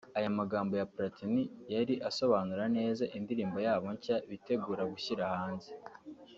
Aya magambo ya Platini yari asobanuye neza indirimbo yabo nshya bitegura gushyira hanze